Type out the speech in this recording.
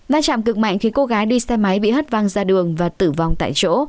va chạm cực mạnh khiến cô gái đi xe máy bị hất văng ra đường và tử vong tại chỗ